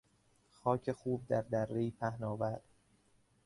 خاک خوب در درهای پهناور